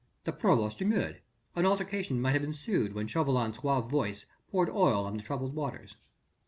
The provost demurred: an altercation might have ensued when Chauvelin's suave voice poured oil on the troubled waters.